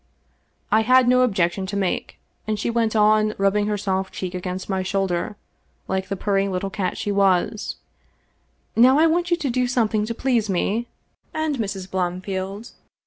I had no objection to make, and she went on, rubbing her soft cheek against my shoulder like the purring little cat she was :" Now I want you to do something to please me — ^and Mrs. Blomfield.